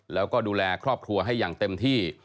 แล้วก็ดูแลครอบครัวให้อย่างเต็มที่